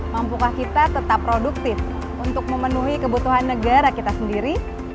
mampukah kita tetap produktif untuk memenuhi kebutuhan negara kita sendiri